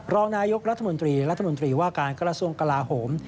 รองนายกรัฐมนตรีรัฐมนตรีว่าการกระทรวงกลาโหม